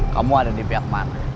kamu ada di pihak mana